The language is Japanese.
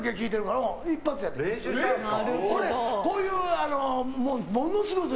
何回練習したんですか？